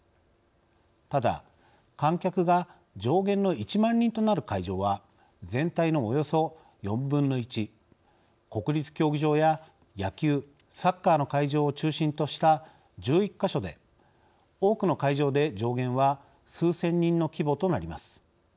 ただ、観客が上限の１万人となる会場は全体のおよそ４分の１国立競技場や野球サッカーの会場を中心とした１１か所で多くの会場で上限は数千人の規模となります。